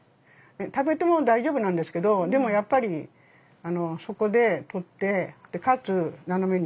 食べても大丈夫なんですけどでもやっぱりそこで取ってかつ斜めに切るっていう。